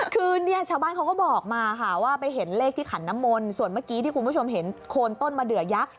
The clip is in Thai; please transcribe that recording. คือเนี่ยชาวบ้านเขาก็บอกมาค่ะว่าไปเห็นเลขที่ขันน้ำมนต์ส่วนเมื่อกี้ที่คุณผู้ชมเห็นโคนต้นมะเดือยักษ์